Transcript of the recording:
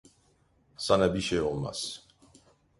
Sana bir şey olmaz.